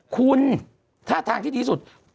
คุณท่าทางที่ดีสุด